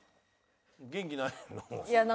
元気ないな。